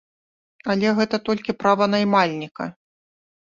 Але гэта толькі права наймальніка!